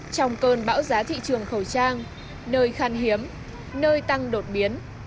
trong cơn bão giá thị trường khẩu trang nơi khan hiếm nơi tăng đột biến